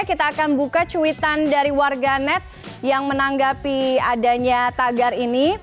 kita akan buka cuitan dari warganet yang menanggapi adanya tagar ini